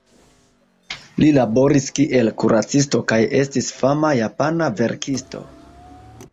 Li laboris kiel kuracisto kaj estis fama japana verkisto.